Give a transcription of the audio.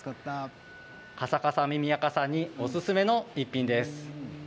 カサカサ耳あかさんにおすすめの一品です。